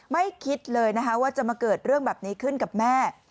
คิดเลยนะคะว่าจะมาเกิดเรื่องแบบนี้ขึ้นกับแม่